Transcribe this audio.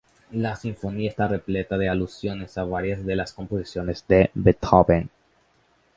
La sinfonía está repleta de alusiones a varias de las composiciones de Beethoven.